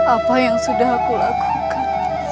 apa yang sudah aku lakukan